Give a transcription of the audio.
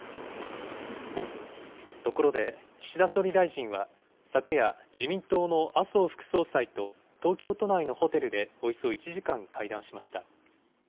ところで、岸田総理大臣は昨夜、自民党の麻生副総裁と東京都内のホテルでおよそ１時間会談しました。